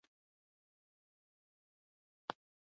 دوی باید د الله اکبر ناره کړې وای.